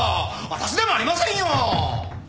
私でもありませんよ！